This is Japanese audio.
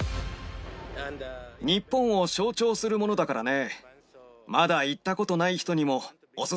日本を象徴するものだからね。